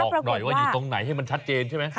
บอกหน่อยว่าอยู่ตรงไหนให้มันชัดเจนใช่ไหม